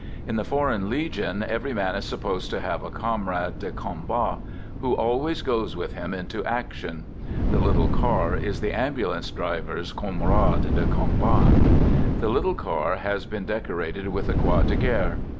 In the Foreign Legion every man is supposed to have a comrade de combat who always goes with him into action. The little car is the ambulance driver's comrade de combat. The little car has been decorated with the Croix de Guerre.